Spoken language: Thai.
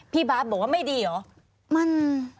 พี่บิบบอกว่าไม่ดีเหรอ